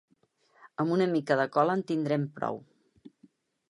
Amb una mica de cola en tindrem prou.